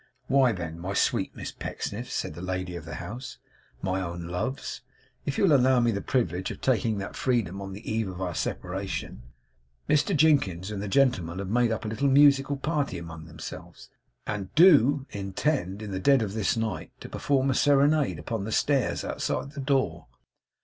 'Why, then, my sweet Miss Pecksniffs,' said the lady of the house; 'my own loves, if you will allow me the privilege of taking that freedom on the eve of our separation, Mr Jinkins and the gentlemen have made up a little musical party among themselves, and DO intend, in the dead of this night, to perform a serenade upon the stairs outside the door.